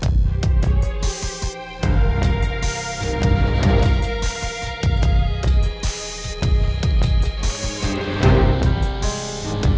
teman kuat dan oppression